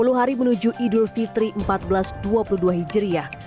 sepuluh hari menuju idul fitri seribu empat ratus dua puluh dua hijriah